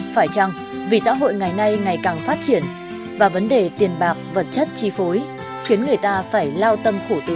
phải chăng vì xã hội ngày nay ngày càng phát triển và vấn đề tiền bạc vật chất chi phối khiến người ta phải lao tâm khổ tí